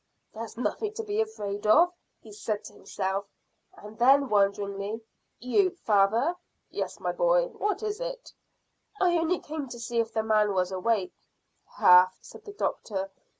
"There's nothing to be afraid of," he said to himself, and then wonderingly "You, father!" "Yes, my boy; what is it?" "I only came to see if the man was awake." "Half," said the doctor.